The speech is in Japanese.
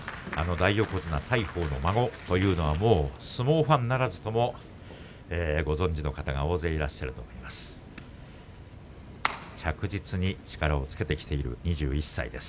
大横綱、大鵬の孫というのは相撲ファンならずともご存じの方が大勢いらっしゃると思います。